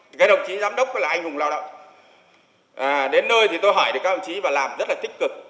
các đồng chí giám đốc là anh hùng lao động đến nơi thì tôi hỏi được các đồng chí và làm rất là tích cực